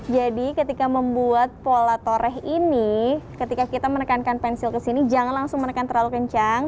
jadi ketika membuat pola toreh ini ketika kita menekankan pensil ke sini jangan langsung menekan terlalu kencang